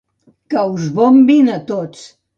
Que us bombin a tots!